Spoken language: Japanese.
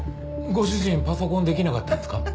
ご主人パソコンできなかったんですか？